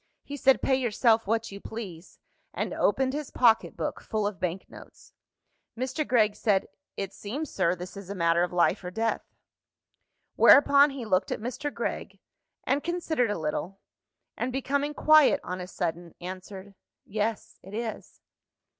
He said, "Pay yourself what you please" and opened his pocket book, full of bank notes. Mr. Gregg said, "It seems, sir, this is a matter of life or death." Whereupon he looked at Mr. Gregg and considered a little and, becoming quiet on a sudden, answered, "Yes, it is."